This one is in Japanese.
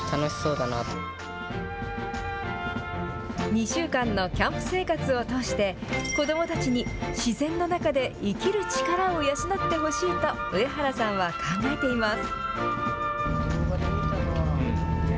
２週間のキャンプ生活を通して子どもたちに自然の中で生きる力を養ってほしいと上原さんは考えています。